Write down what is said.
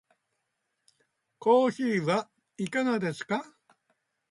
コーヒーはいかがですか？